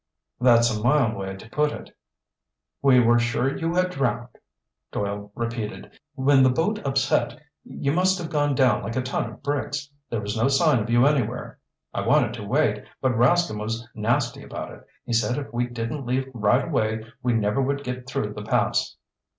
"That's a mild way to put it." "We were sure you had drowned," Doyle repeated. "When the boat upset you must have gone down like a ton of bricks. There was no sign of you anywhere. I wanted to wait but Rascomb was nasty about it. He said if we didn't leave right away we never would get through the pass."